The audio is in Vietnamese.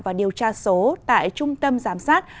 và điều tra số tại trung tâm giám sát